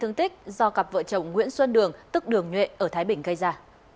thương tích do cặp vợ chồng nguyễn xuân đường tức đường nhuệ ở thái bình gây ra